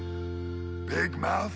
ビッグマウス